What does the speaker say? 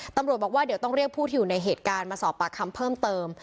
ตำรวจบอกว่าเดี๋ยวต้องเรียกผู้ที่อยู่ในเหตุการณ์มาสอบปากคำเพิ่มเติม